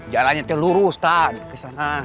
jalannya telur ustadz kesana